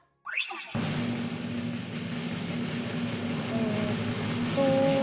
えっと。